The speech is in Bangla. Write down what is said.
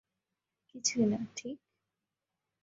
কিছুই না, ঠিক?